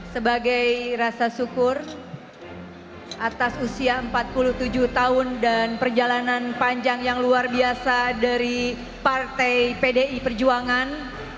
sebagai rasa syukur atas usia empat puluh tujuh tahun dan perjalanan panjang yang luar biasa dari partai pdi perjuangan